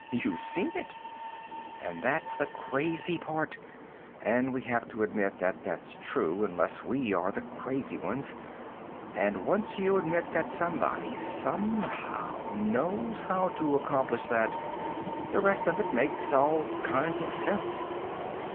You've seen it! And that's the crazy part and we have to admit that that's true unless we are the crazy ones. And once you admit that somebody, somehow, knows how to accomplish that, the rest of it makes all kinds of sense.